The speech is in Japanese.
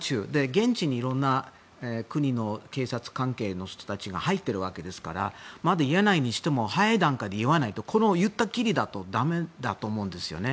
現地にいろんな国の警察関係の人たちが入ってるわけですからまだ言えないにしても早い段階で言わないとこれを言ったきりだとだめだと思うんですよね。